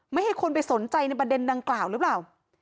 ให้คนไปสนใจในประเด็นดังกล่าวหรือเปล่า